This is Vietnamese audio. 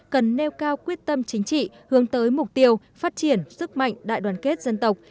cần nêu cao quyết tâm chính trị hướng tới mục tiêu phát triển sức mạnh đại đoàn kết dân tộc